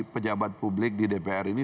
pejabat publik di dpr ini